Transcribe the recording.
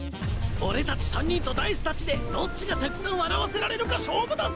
俺たち３人とダイスたちでどっちがたくさん笑わせられるか勝負だぜ！